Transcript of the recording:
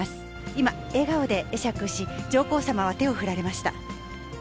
今、笑顔で会釈し、上皇さまは手を振られました。